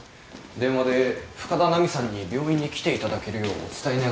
電話で深田奈美さんに病院に来ていただけるようお伝え願えませんかと。